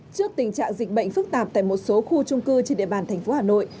trước tình trạng dịch bệnh phức tạp tại một số khu trung cư trên địa bàn thành phố hà nội